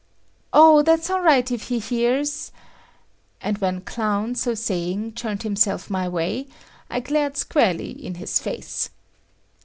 "O, that's all right if he hears ...," and when Clown, so saying, turned himself my way, I glared squarely in his face.